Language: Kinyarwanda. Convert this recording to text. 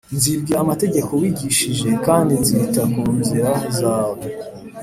Nzibwira amategeko wigishije, kandi nzita ku nzira zawe